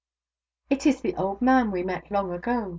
" It is the old man we met long ago